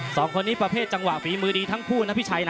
สองคนนี้ประเภทจังหวะฝีมือดีทั้งคู่นะพี่ชัยนะ